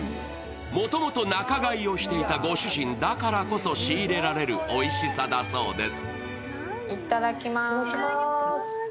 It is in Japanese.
もともと仲買をしていたご主人だからこそ仕入れられるおいしさだそうです。